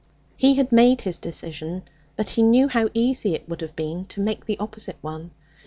He had made his decision; but he knew how easy it would have been to make the opposite one.